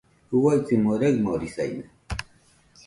Uaisimo raɨmorisaide